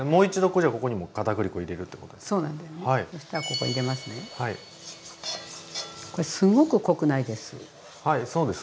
これすごく濃くないです。